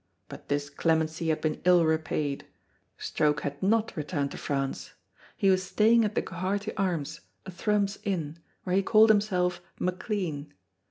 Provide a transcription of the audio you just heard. But this clemency had been ill repaid. Stroke had not returned to France. He was staying at the Quharity Arms, a Thrums inn, where he called himself McLean.